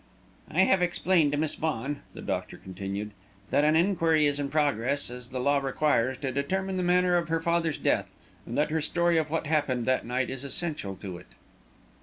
"I have explained to Miss Vaughan," the doctor continued, "that an inquiry is in progress, as the law requires, to determine the manner of her father's death, and that her story of what happened that night is essential to it."